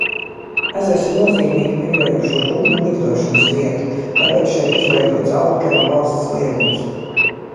Ezers ir nozīmīga migrējošo putnu ligzdošanas vieta, tāpēc šeit izveidots Alakela valsts liegums.